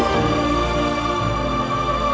aku belum pernah mendengar nama seperti itu